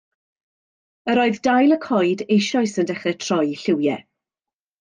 Yr oedd dail y coed eisoes yn dechrau troi eu lliwiau.